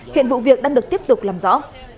hiện vụ việc đang được tiếp tục làm rõ